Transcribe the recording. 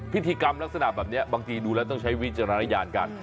พิธีกรรมลักษณะแบบนี้บางทีดูแล้วต้องใช้วิจารณญาณกัน